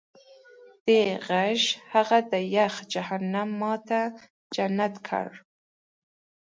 دې غېږې هغه د یخ جهنم ما ته جنت کړ